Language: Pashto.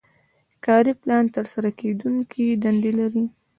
کاري پلان ترسره کیدونکې دندې لري.